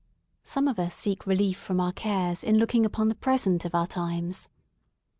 Some of us seek relief from our cares in looking upon the present of our times.